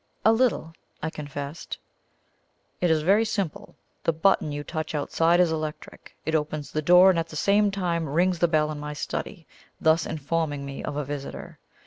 "A little," I confessed. "It is very simple. The button you touch outside is electric; it opens the door and at the same time rings the bell in my study, thus informing me of a visitor.